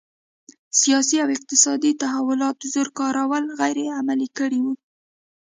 سیاسي او اقتصادي تحولات زور کارول غیر عملي کړي وو.